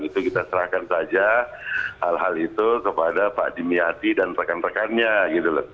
itu kita serahkan saja hal hal itu kepada pak dimyati dan rekan rekannya gitu loh